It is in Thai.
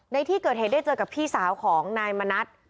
ในที่เกิดเหตุได้เจอกับพี่สาวของนายมณัฐ